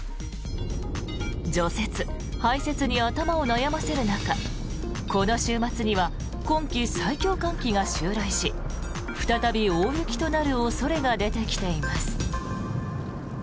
除雪・排雪に頭を悩ませる中この週末には今季最強寒気が襲来し再び大雪となる恐れが出てきています。